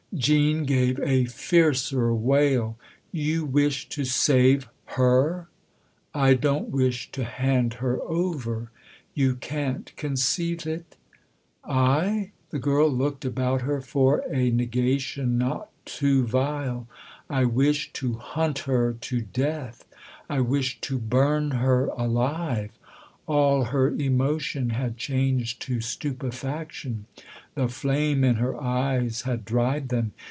Jean gave a fiercer wail. " You wish to save her ?"" I don't wish to hand her over. You can't con ceive it?" THE OTHER HOUSE 303 " I ?" The girl looked about her for a negation not too vile. " I wish to hunt her to death ! I wish to burn her alive!" All her emotion had changed to stupefaction ; the flame in her eyes had dried them.